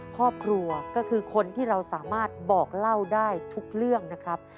ครอบครัวก็คือคนที่เราสามารถบอกเล่าได้ทุกเรื่องนะครับ